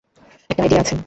একটা আইডিয়া আছে।